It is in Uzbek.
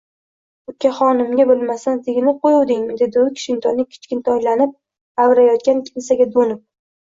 – Ukaxonimga bilmasdan teginib qo‘yuvdingmi? – dedi u, kichkintoyni kichkintoylanib avrayotgan kimsaga do‘nib